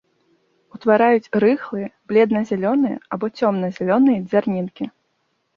Утвараюць рыхлыя бледна-зялёныя або цёмна-зялёныя дзярнінкі.